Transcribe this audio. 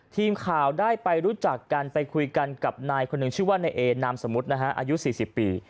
ทีมข่าวได้ไปรู้จักกันไปคุยกันกับนายคนหนึ่งชื่อว่านายเอนามสมมุตินะฮะอายุ๔๐ปี